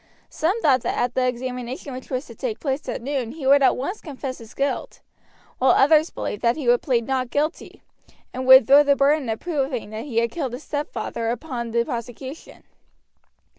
Some thought that at the examination which was to take place at noon he would at once confess his guilt, while others believed that he would plead not guilty, and would throw the burden of proving that he killed his stepfather upon the prosecution.